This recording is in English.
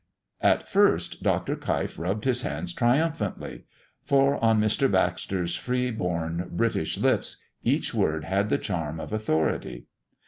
At first, Dr. Keif rubbed his hands triumphantly, for on Mr. Baxter's free born British lips each word had the charm of authority.